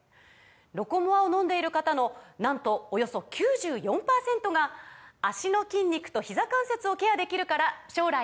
「ロコモア」を飲んでいる方のなんとおよそ９４％が「脚の筋肉とひざ関節をケアできるから将来も安心！」とお答えです